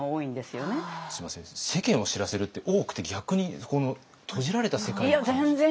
すみません世間を知らせるって大奥って逆に閉じられた世界のような感じ。